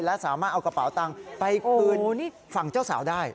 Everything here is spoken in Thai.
และสามารถเอากระเป๋าตังค์ไปคืนฝั่งเจ้าสาวได้